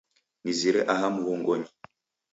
Nizire aha mghongonyi